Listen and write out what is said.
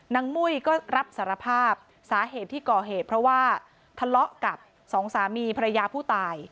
มุ้ยก็รับสารภาพสาเหตุที่ก่อเหตุเพราะว่าทะเลาะกับสองสามีภรรยาผู้ตาย